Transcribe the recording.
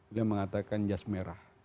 dia mengatakan jas merah